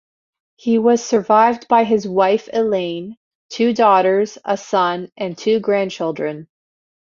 He was survived by his wife, Elaine, two daughters, a son, and two grandchildren.